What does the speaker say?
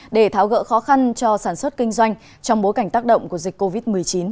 để tháo gỡ khó khăn cho sản xuất kinh doanh trong bối cảnh tác động của dịch covid một mươi chín